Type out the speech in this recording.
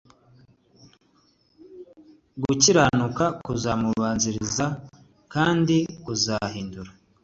gukiranuka kuzamubanziriza kandi kuzahindura